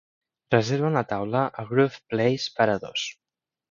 reserva una taula a Grove Place per a dos